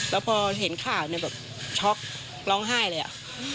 แล้วพอเห็นข่าวช็อกร้องไห้เลย